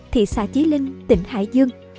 thị xã chí linh tỉnh hải dương